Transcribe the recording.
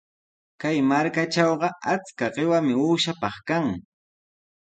Kay markatrawqa achka qiwami uushapaq kan.